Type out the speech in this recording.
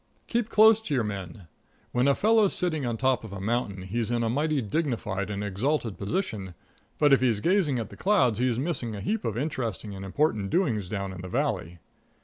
Keep close to your men. When a fellow's sitting on top of a mountain he's in a mighty dignified and exalted position, but if he's gazing at the clouds, he's missing a heap of interesting and important doings down in the valley.